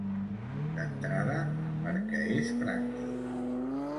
D'entrada, perquè és pràctic.